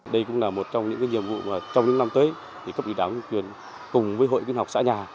đây cũng là một trong những nhiệm vụ mà trong những năm tới thì cấp ý đáng quyền cùng với hội kinh học xã nhà